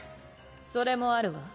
それもあるわ。